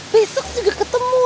besok juga ketemu